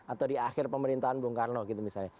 atau di akhir pemerintahan bung karno gitu misalnya